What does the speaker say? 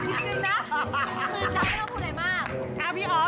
กลืนจำไม่ต้องพูดอะไรมาก